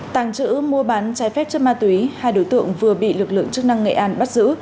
tàng trữ mua bán trái phép chất ma túy hai đối tượng vừa bị lực lượng chức năng nghệ an bắt giữ